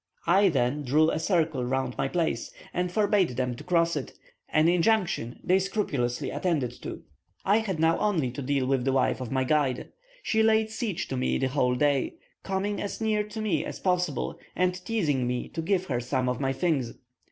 I then drew a circle round my place and forbade them to cross it, an injunction they scrupulously attended to. I had now only to deal with the wife of my guide. She laid siege to me the whole day, coming as near to me as possible, and teasing me to give her some of my things.